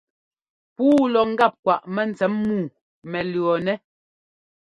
Puu lɔ ŋ́gap kwaꞌ mɛntsɛm muu mɛ lʉ̈ɔnɛ́.